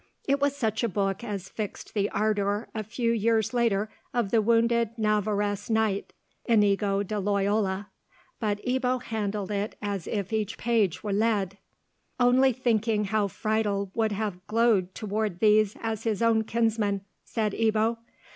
It was such a book as fixed the ardour a few years later of the wounded Navarrese knight, Inigo de Loyola, but Ebbo handled it as if each page were lead. "Only thinking how Friedel would have glowed towards these as his own kinsmen," said Ebbo.